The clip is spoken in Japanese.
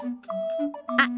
あっ